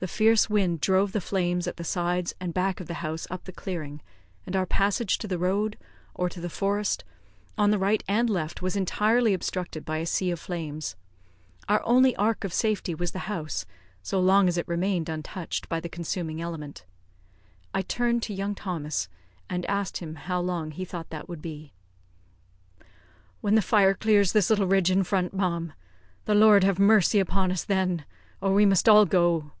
The fierce wind drove the flames at the sides and back of the house up the clearing; and our passage to the road, or to the forest, on the right and left, was entirely obstructed by a sea of flames. Our only ark of safety was the house, so long as it remained untouched by the consuming element. I turned to young Thomas, and asked him, how long he thought that would be. "When the fire clears this little ridge in front, ma'am. The Lord have mercy upon us, then, or we must all go!"